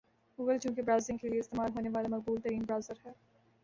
Google چونکہ browsing کے لئے استعمال ہونے والا مقبول ترین برؤزر ہے